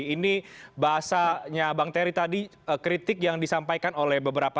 ini bahasanya bang terry tadi kritik yang disampaikan oleh beberapa